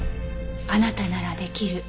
あなたなら出来る。